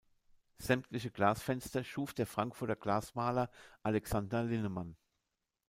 Sämtliche Glasfenster schuf der Frankfurter Glasmaler Alexander Linnemann.